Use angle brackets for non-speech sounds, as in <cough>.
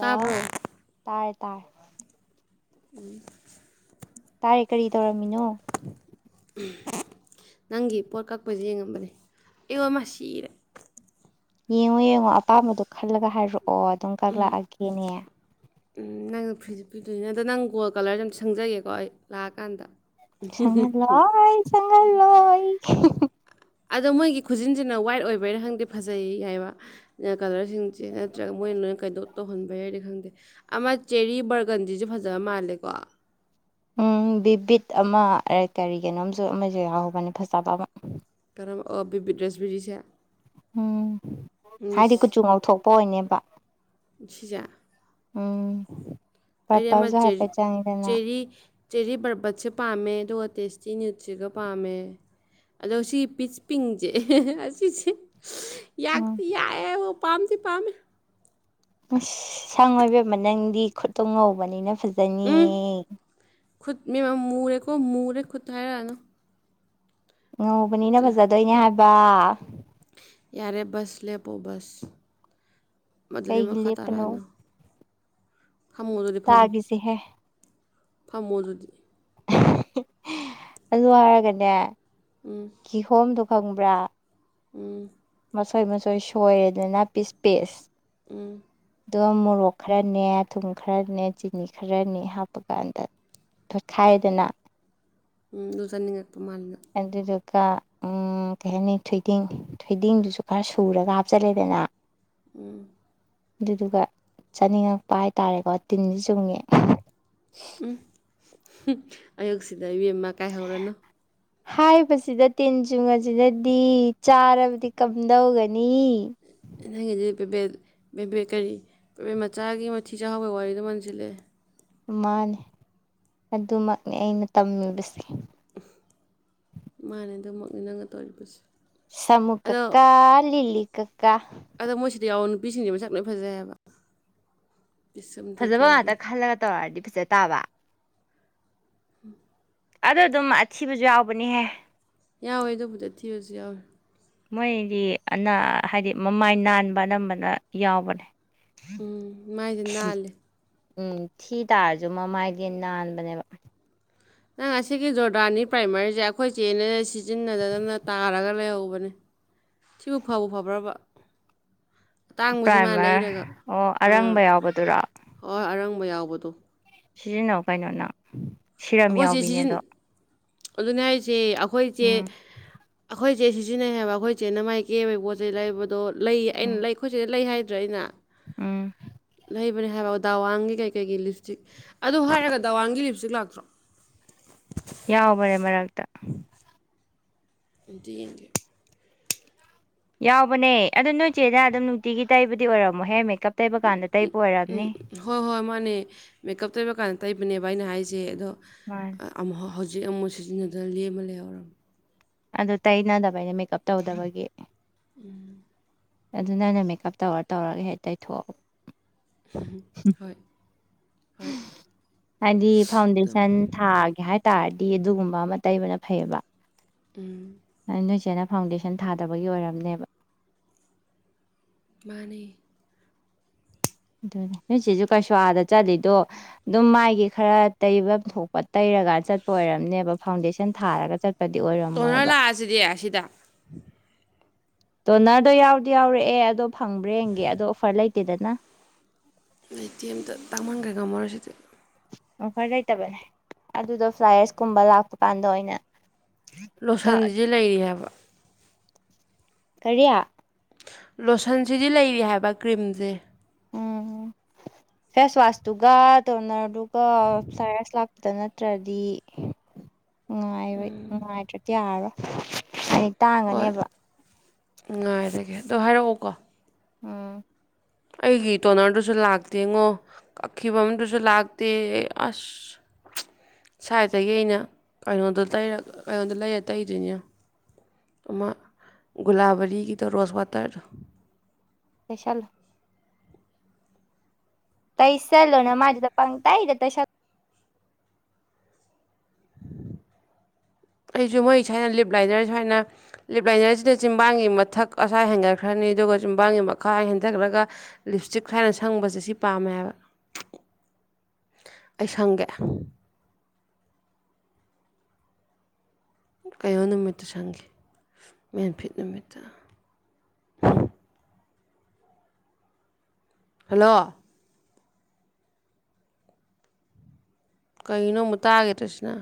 ꯂ ꯇꯥꯔ ꯇꯥꯔ ꯎꯝ ꯇꯥꯔꯦ ꯀꯔꯤ ꯇꯧꯔꯝꯃꯤꯅꯣ ꯅꯪꯒꯤ ꯄꯣꯠ ꯀꯛꯄꯁꯦ ꯌꯦꯡꯉꯝꯕꯅꯦ ꯑꯦ ꯋꯥꯃ ꯁꯤꯔꯦ ꯌꯦꯡꯉꯣ ꯌꯦꯡꯉꯣ ꯑꯄꯥꯝꯕꯗꯣ ꯈꯜꯂꯒ ꯍꯥꯏꯔꯛꯑꯣ ꯑꯗꯨꯝ ꯀꯛꯂꯛꯑꯒꯦꯅꯦ ꯐ꯭ꯔꯤꯁ ꯄꯤꯗꯣꯏꯅꯦ ꯑꯗꯣ ꯅꯪ ꯒꯣꯜ ꯀꯂꯔꯁ ꯌꯥꯝ ꯁꯪꯖꯒꯦꯀꯣ ꯑꯩ ꯂꯥꯛꯑꯀꯥꯟꯗ ꯁꯉ ꯂꯣꯏ ꯁꯒꯥꯜ ꯂꯣꯏ ꯑꯗꯣ ꯃꯣꯏꯒꯤ ꯈꯨꯖꯤꯟꯁꯤꯅ ꯋꯥꯏꯠ ꯑꯣꯏꯕꯩꯅ ꯈꯪꯗꯦ ꯐꯖꯩ ꯍꯥꯏꯕ ꯀꯂꯔꯁꯤꯡꯁꯦ ꯅꯠꯇ꯭ꯔꯒ ꯃꯣꯏꯅ ꯀꯩꯗ ꯇꯧꯍꯟꯕ ꯌꯥꯏꯔꯦ ꯈꯪꯗꯦ ꯑꯃ ꯆꯦꯔꯤ ꯕꯔꯒꯟꯁꯤꯁꯨ ꯐꯖꯕ ꯃꯥꯜꯂꯦꯀꯣ ꯎꯝ ꯕꯤꯕꯤꯠ ꯑꯃ ꯀꯔꯤꯒꯤꯅꯣꯝꯁꯨ ꯑꯃꯁꯨ ꯌꯥꯎꯍꯧꯕꯅꯤ ꯐꯖꯕ ꯑꯃ ꯑꯣ ꯄꯕꯤꯗ꯭ꯔꯦꯁꯕꯤꯔꯤꯁꯦ ꯎꯝ ꯍꯥꯏꯗꯤ ꯀꯨꯆꯨ ꯉꯥꯎꯊꯣꯛꯄ ꯑꯣꯏꯅꯅꯦꯕ ꯁꯤꯖ ꯎꯝ꯫ ꯑꯩ ꯑꯃ ꯄꯔꯄꯜꯁꯨ ꯍꯥꯏꯐꯦꯠ ꯆꯪꯉꯤꯗꯅ ꯆꯦꯔꯤ ꯆꯦꯔꯤ ꯕꯔꯕꯠꯁꯦ ꯄꯥꯝꯃꯦ ꯑꯗꯨꯒ ꯇꯦꯁ ꯁꯤ ꯅꯤꯌꯨꯠꯁꯤꯒ ꯄꯥꯝꯃꯦ ꯑꯗꯣ ꯁꯤ ꯄꯤꯁ ꯄꯤꯡꯁꯦ ꯑꯁꯤꯁꯦ꯫ ꯌꯥꯛꯇꯤ ꯎꯝ ꯌꯥꯑꯦ ꯕꯣ ꯄꯥꯝꯗꯤ ꯄꯥꯝꯃꯦ꯫ ꯑꯁ ꯁꯪꯉꯨ ꯏꯕꯦꯝꯃꯥ ꯅꯪꯗꯤ ꯈꯨꯠꯇꯣ ꯉꯧꯕꯅꯤꯅ ꯐꯖꯅꯤꯌꯦ꯫ ꯈꯨꯅꯦꯕ ꯃꯔꯦꯀꯣ ꯃꯨꯔꯦ ꯈꯨꯠꯇ ꯍꯥꯏꯔꯛꯑꯅꯨ ꯉꯧꯕꯅꯤꯅ ꯈꯨꯠꯁꯦ ꯐꯖꯗꯣꯏꯅꯦ ꯍꯥꯏꯕ ꯌꯥꯔꯦ ꯕꯁ ꯂꯦꯄꯣ ꯕꯁ ꯃꯗꯨꯗꯤ ꯀꯩꯒꯤ ꯃꯈꯥ ꯂꯦꯞꯄꯅꯣ ꯇꯥꯔꯛꯑꯅꯣ ꯇꯥꯒꯤꯁꯤꯍꯦ ꯐꯝꯃꯣ ꯑꯗꯨꯗꯤ ꯑꯗꯨ ꯍꯥꯏꯔꯒꯅꯦ ꯀꯤꯍꯣꯝꯗꯣ ꯈꯪꯕ꯭ꯔꯥ ꯎꯝ ꯃꯁꯣꯏ ꯃꯁꯣꯏ ꯁꯣꯏꯔꯦꯗꯅꯅꯥ ꯄꯤꯁ ꯄꯤꯁ ꯑꯗꯣ ꯃꯣꯔꯣꯛ ꯈꯔꯅꯦ ꯊꯨꯝ ꯈꯔꯅꯦ ꯆꯤꯅꯤ ꯈꯔꯅꯦ ꯍꯥꯞꯄꯀꯥꯟꯗ ꯇꯣꯠꯈꯥꯏꯔꯦꯗꯅ ꯎꯝ ꯗꯨ ꯆꯥꯅꯤꯡ ꯉꯥꯛꯄ ꯃꯥꯜꯂꯤ ꯅꯪ ꯀ ꯎꯝ ꯀꯩ ꯍꯥꯏꯅꯤ ꯊꯣꯏꯗꯤꯡ ꯊꯣꯏꯗꯤꯡꯗꯨꯁꯨ ꯈꯔ ꯁꯨꯔꯒ ꯍꯥꯞꯆꯤꯜꯂꯦꯗꯅ ꯎꯝ ꯑꯗꯨꯗꯨꯒ ꯆꯥꯅꯤꯡꯉꯛꯄ ꯍꯥꯏꯇꯥꯔꯦꯀꯣ ꯇꯤꯟꯁꯤ ꯆꯨꯝꯉꯦ ꯎꯝ ꯑꯌꯨꯛꯁꯤꯗ ꯏꯕꯦꯝꯃ ꯀꯥꯏ ꯍꯧꯔꯅꯨ ꯍꯥꯏꯕꯁꯤꯗ ꯇꯦꯟ ꯆꯨꯡꯉꯥꯁꯤꯅꯗꯤ ꯆꯥꯔꯕꯗꯤ ꯀꯝꯗꯧꯒꯅꯤ ꯅꯪꯒꯤ ꯗꯨꯗꯤ ꯄꯦꯕꯦꯠ ꯄꯦꯕꯦꯠ ꯀꯔꯤ ꯄꯦꯕꯦꯠ ꯃꯆꯥꯒꯤ ꯃꯊꯤ ꯆꯥꯍꯥꯎꯕꯒꯤ ꯋꯥꯔꯤꯗꯣ ꯃꯟꯁꯤꯜꯂꯦ ꯃꯥꯅꯦ ꯑꯗꯨꯃꯛꯅꯦ ꯑꯩꯅ ꯇꯝꯃꯤꯕꯁꯦ ꯃꯥꯅꯦ ꯑꯗꯨꯝꯃꯛꯅꯤ ꯅꯪꯒ ꯇꯧꯔꯤꯕꯁꯦ ꯁꯃꯨ ꯑꯗꯣ ꯀꯀꯥ ꯂꯤꯂꯤ ꯀꯀꯥ ꯑꯗꯣ ꯃꯣꯏꯁꯤꯗ ꯌꯥꯎꯕ ꯅꯨꯄꯤꯁꯤꯡꯁꯤ ꯃꯁꯛ ꯂꯣꯏ ꯐꯖꯩ ꯍꯥꯏꯕ ꯄꯤꯁꯨꯝꯗꯩ ꯐꯖꯕ ꯉꯥꯛꯇ ꯀꯩꯗꯩ ꯈꯜꯂꯒ ꯇꯧꯔꯛꯗꯤ ꯐꯖ ꯇꯥꯕ <unintelligible> ꯑꯗ ꯑꯗꯨꯝ ꯑꯊꯤꯕꯁꯨ ꯌꯥꯎꯕꯅꯤꯍꯦ ꯌꯥꯎꯋꯦ ꯑꯗꯨꯕꯨꯗꯤ ꯊꯤꯔꯁꯨ ꯌꯥꯎꯋꯦ ꯃꯣꯏꯗꯤ ꯑꯅꯥ ꯍꯥꯏꯗꯤ ꯃꯃꯥꯏ ꯅꯥꯟꯕ ꯑꯅꯝꯕꯅ ꯌꯥꯎꯕꯅꯦ ꯎꯝ ꯃꯥꯏꯗꯤ ꯅꯥꯜꯂꯤ ꯎꯝ ꯊꯤ ꯇꯥꯔꯁꯨ ꯃꯃꯥꯏꯗ ꯅꯥꯟꯕꯅꯦꯕ ꯅꯪ ꯑꯁꯤꯒꯤ ꯖꯣꯔꯗꯥꯅꯤ ꯄ꯭ꯔꯥꯏꯃꯥꯔꯁꯦ ꯑꯩꯈꯣꯏ ꯆꯦꯅꯦ ꯁꯤꯖꯤꯟꯅꯗꯗꯅ ꯇꯥꯔꯒ ꯂꯩꯍꯧꯕꯅꯦ ꯁꯤꯕꯨ ꯐꯕꯨ ꯐꯕ꯭ꯔꯕ ꯑꯇꯥꯡꯕꯁꯦ ꯃꯥ ꯄ꯭ꯔꯥꯏꯃꯔ ꯂꯩꯔꯒ ꯑꯣ ꯑꯥ ꯑꯔꯪꯕ ꯌꯥꯎꯕꯗꯨꯔꯣ ꯍꯣꯏ ꯑꯔꯪ ꯕ ꯌꯥꯎꯕꯗꯣ ꯁꯤꯖꯤꯟꯅꯧ ꯀꯩꯅꯣ ꯅꯪ ꯁꯤꯔꯝ ꯌꯥꯎꯕꯤꯅꯦ ꯑꯗꯣ ꯑꯗꯨꯅꯤ ꯍꯥꯏꯁꯦ ꯑꯈꯣꯏ ꯆꯦ ꯎꯝ ꯑꯩꯈꯣꯏ ꯏꯆꯦ ꯁꯤꯖꯤꯟꯅꯩ ꯍꯥꯏꯕ ꯑꯩꯈꯣꯏ ꯏꯆꯦꯅ ꯃꯥꯏ ꯀꯦꯕꯒꯤ ꯄꯣꯠ ꯆꯩꯩ ꯂꯩꯕꯗꯣ ꯂꯩ ꯑꯩꯅ ꯎꯝ ꯂꯩ ꯑꯩꯈꯣꯏꯆꯦꯗ ꯂꯩ ꯍꯥꯏꯗ꯭ꯔꯥ ꯑꯩꯅ ꯎꯝ ꯂꯩꯕꯅꯦ ꯍꯥꯏꯕ ꯗꯥꯋꯥꯡꯒꯤ ꯀꯩꯀꯩꯒꯤ ꯂꯤꯞꯁꯇꯤꯛ ꯑꯗꯨ ꯍꯥꯏꯔꯒ ꯗꯥꯋꯥꯡꯒꯤ ꯂꯤꯞꯁꯇꯤꯛ ꯂꯥꯛꯇ꯭ꯔꯣ <inaudible> ꯌꯥꯎꯕꯅꯦ ꯃꯔꯛꯇ ꯑꯃꯇ ꯌꯦꯡꯒꯦ ꯌꯥꯎꯕꯅꯦ ꯑꯗꯨ ꯅꯣꯏ ꯏꯆꯦꯅ ꯑꯗꯨꯝ ꯅꯨꯡꯇꯤꯒꯤ ꯇꯥꯏꯕꯗꯤ ꯑꯣꯏꯔꯝꯃꯣꯏ ꯍꯦ ꯃꯦ ꯀꯞ ꯇꯩꯕ ꯀꯥꯟꯗ ꯇꯩꯕ ꯑꯣꯏꯔꯝꯅꯤ ꯍꯣꯏ ꯍꯣꯏ ꯃꯥꯅꯦ ꯃꯦꯀꯞ ꯇꯩꯕ ꯀꯥꯟꯗ ꯇꯩꯕꯅꯦꯕ ꯑꯩꯅ ꯍꯥꯏꯁꯦ ꯑꯗꯣ ꯃꯥꯅꯦ ꯑꯃꯨꯛ ꯍꯧ ꯍꯧꯖꯤꯛ ꯑꯃꯨꯛ ꯁꯤꯖꯤꯟꯅꯗꯅ ꯂꯦꯝꯃ ꯂꯩꯍꯧꯔꯝ꯫ ꯑꯗꯨ ꯇꯩꯅꯗꯕ ꯑꯩꯅ ꯃꯦꯀꯞ ꯇꯧꯗꯕꯒꯤ ꯎꯝ ꯑꯗꯨ ꯅꯪꯅ ꯃꯦꯀꯞ ꯇꯧꯔ ꯇꯧꯔꯒ ꯍꯦꯛ ꯇꯩꯊꯣꯛꯑꯣ ꯍꯣꯏ ꯍꯣꯏ ꯍꯥꯏꯗꯤ ꯑꯗꯨꯝ ꯐꯥꯎꯟꯗꯦꯁꯟ ꯊꯥꯒꯦ ꯍꯥꯏ ꯇꯥꯔꯗꯤ ꯑꯗꯨꯒꯨꯝꯕ ꯑꯃ ꯇꯩꯕꯅ ꯐꯩꯌꯦꯕ ꯅꯣꯏꯁꯤꯦꯅ ꯐꯥꯎꯟꯗꯦꯁꯟ ꯊꯥꯗꯕꯒꯤ ꯑꯣꯏꯔꯝꯅꯦꯕ ꯃꯥꯅꯤ ꯑꯗꯨ ꯅꯣꯏꯁꯤꯁꯨ ꯀꯩꯁꯨ ꯑꯥꯗ ꯆꯠꯂꯤꯗꯣ ꯑꯗꯨꯝ ꯃꯥꯥꯏꯒꯤ ꯈꯔ ꯇꯩꯐꯝ ꯊꯣꯛꯄ ꯇꯩꯔ ꯄꯔꯀꯥꯟ ꯆꯠꯄ ꯑꯣꯏꯔꯝꯅꯦꯕ ꯐꯥꯎꯟꯗꯦꯁꯟ ꯊꯥꯔꯒ ꯆꯠꯄ ꯇꯗꯤ ꯇꯣꯅꯔ ꯑꯣꯏꯔꯝꯃꯣꯏꯕ ꯂꯥꯛꯑꯁꯤꯗꯤ ꯑꯁꯤꯗ ꯗꯣꯅꯔꯗꯣ ꯌꯥꯎꯗꯤ ꯌꯥꯎꯔꯛꯑꯦ ꯑꯗꯣ ꯐꯪꯕ꯭ꯔꯦ ꯌꯦꯡꯒꯤ ꯑꯗꯣ ꯑꯣꯐꯔ ꯂꯩꯇꯦꯗꯅ ꯑꯇꯤ ꯑ ꯑꯃꯇ ꯇꯥꯡꯃꯟꯈꯩ ꯉꯝꯃꯔꯁꯤꯗꯤ ꯑꯣꯐꯔ ꯂꯩꯇꯕꯅꯦ ꯑꯗꯨꯗꯣ ꯐ꯭ꯂꯥꯌꯔꯁꯀꯨꯝꯕ ꯂꯥꯛꯄ ꯀꯥꯟꯗ ꯑꯣꯏꯅ ꯂꯣꯁꯟꯁ ꯂꯩꯔꯤ ꯍꯥꯏꯕ ꯀꯔꯤꯌꯥ ꯂꯣꯁꯟꯁꯤꯗꯤ ꯂꯩꯔꯤ ꯍꯥꯏꯕ ꯀ꯭ꯔꯤꯝꯁꯦ ꯎꯝ ꯐꯦꯁ ꯋꯥꯁꯇꯨꯒ ꯗꯣꯅꯔꯗꯨꯒ ꯐꯥꯏꯔꯁ ꯂꯥꯛꯄꯗ ꯅꯠꯇ꯭ꯔꯗꯤ <inaudible> ꯉꯉꯥꯏꯕ ꯅꯨꯡꯉꯥꯏꯇ꯭ꯔꯗꯤ ꯌꯥꯔꯣ ꯍꯣꯏ ꯉꯉꯥꯏꯖꯒꯦ ꯑꯗ ꯍꯥꯏꯔꯛꯑꯣꯀꯣ ꯑꯝ ꯑꯩꯒꯤ ꯇꯣꯅꯔꯗꯨꯁꯨ ꯂꯥꯛꯇꯦꯉꯣ ꯑꯀꯤꯤ ꯄꯃꯤ ꯇꯁ ꯂꯥꯛꯒꯇꯩ ꯑꯁ ꯁꯥꯏꯠꯇꯒꯤ ꯑꯩꯅ ꯀꯩꯅꯣꯗꯔ ꯀꯩꯅꯣꯗ ꯂꯩꯔ ꯇꯩꯗꯣꯏꯅꯦ ꯑꯃ ꯒꯨꯂꯥꯕꯔꯤꯒꯤꯗ ꯔꯣꯁ ꯋꯥꯇꯔ ꯏꯁꯄꯦꯁꯦꯜ ꯀꯩꯁ ꯆꯠꯂꯣ ꯅ ꯃꯥꯖꯤꯦꯗ ꯄꯪ ꯇ ꯍꯥꯏꯗ ꯇꯁꯥ <inaudible> ꯑꯩꯁꯨ ꯃꯣꯏ ꯁꯥꯏꯅ ꯂꯤꯞ ꯂꯥꯏꯅꯔ ꯁꯨꯃꯥꯏꯅ ꯂꯤꯞ ꯂꯥꯏꯅꯔꯁꯤꯗ ꯆꯤꯕꯥꯡꯒꯤ ꯃꯊꯛ ꯑꯁꯋꯥ ꯍꯦꯟꯒꯠꯈ꯭ꯔꯅꯤ ꯑꯗꯨꯒ ꯀꯣ ꯌꯨꯝꯕꯥꯡꯒꯤ ꯃꯈꯥ ꯍꯦꯟꯊꯈ꯭ꯔꯒ ꯂꯤꯞꯁꯇꯤꯛ ꯈꯥꯏꯅ ꯁꯪꯕꯁꯦ ꯁꯤ ꯄꯥꯝꯃꯦ ꯍꯥꯏꯕ ꯑꯩꯁꯪꯒꯦ ꯀꯩꯅꯣ ꯅꯨꯃꯤꯠꯇ ꯁꯪꯈꯤ ꯃꯦꯟꯐꯤꯠ ꯅꯨꯃꯤꯠꯇ ꯑꯝ ꯍꯜꯂꯣ ꯀꯩꯅꯣ ꯃꯨ ꯇꯥꯒꯦ ꯇꯁꯤꯅ